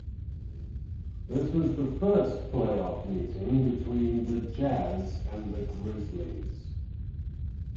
This was the first playoff meeting between the Jazz and the Grizzlies.